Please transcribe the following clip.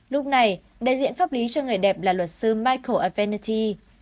lúc này đại diện pháp lý cho người đẹp là luật sư michael avenatti